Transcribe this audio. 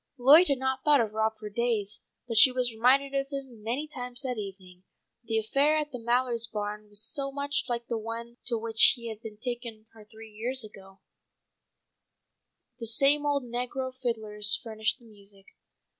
Lloyd had not thought of Rob for days, but she was reminded of him many times that evening, the affair at the Mallards' barn was so much like the one to which he had taken her three years before. The same old negro fiddlers furnished the music.